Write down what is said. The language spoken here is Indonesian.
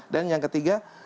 dan yang ketiga